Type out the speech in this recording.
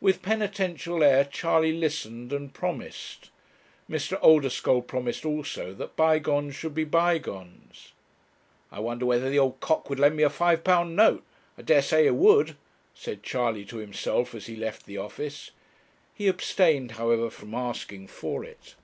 With penitential air Charley listened and promised. Mr. Oldeschole promised also that bygones should be bygones. 'I wonder whether the old cock would lend me a five pound note! I dare say he would,' said Charley to himself, as he left the office. He abstained, however, from asking for it.